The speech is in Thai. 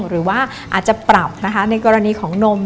หรือว่าอาจจะปรับนะคะในกรณีของนม